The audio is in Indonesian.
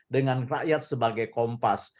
dengan rakyat sebagai kompas